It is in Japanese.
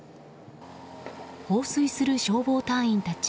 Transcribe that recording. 放水する消防隊員たち。